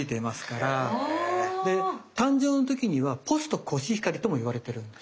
誕生の時にはポストコシヒカリとも言われてるんです。